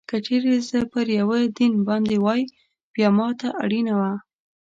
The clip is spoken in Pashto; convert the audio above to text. که چېرې زه پر یوه دین باندې وای، بیا ما ته اړینه وه.